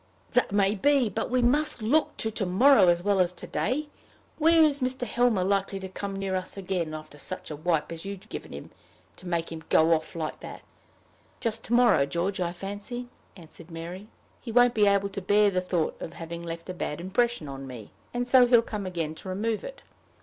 "That may be; but we must look to to morrow as well as to day. When is Mr. Helmer likely to come near us again, after such a wipe as you must have given him to make him go off like that?" "Just to morrow, George, I fancy," answered Mary. "He won't be able to bear the thought of having left a bad impression on me, and so he'll come again to remove it.